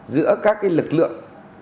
giữa các lực lượng